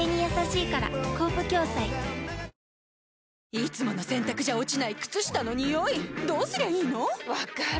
いつもの洗たくじゃ落ちない靴下のニオイどうすりゃいいの⁉分かる。